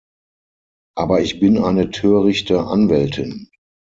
Aber ich bin eine törichte Anwältin.